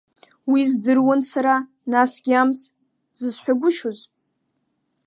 Уи здыруан сара, насгьы амц зысҳәагәышьоз.